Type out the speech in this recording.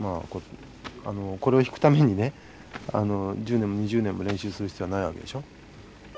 これを弾くためにね１０年も２０年も練習する必要はないわけでしょ。